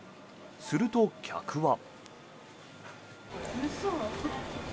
すると、客は。